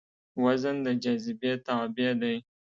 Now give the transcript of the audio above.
وزن د جاذبې تابع دی.